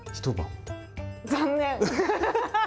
残念。